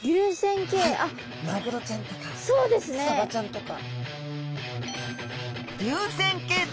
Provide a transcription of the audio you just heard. マグロちゃんとかサバちゃんとか。